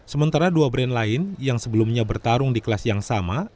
sementara dua brand lain yang sebelumnya bertarung di kelas yang sama